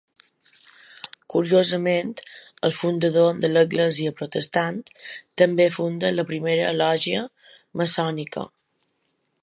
Curiosament el fundador de l’església protestant també funda la primera lògia maçònica.